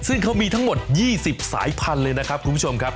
ซึ่งเขามีทั้งหมด๒๐สายพันธุ์เลยนะครับคุณผู้ชมครับ